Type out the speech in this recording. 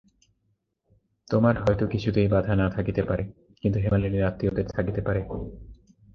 তোমার হয়তো কিছুতেই বাধা না থাকিতে পারে, কিন্তু হেমনলিনীর আত্মীয়দের থাকিতে পারে।